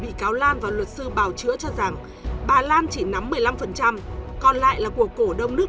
bị cáo lan và luật sư bào chữa cho rằng bà lan chỉ nắm một mươi năm còn lại là của cổ đông nước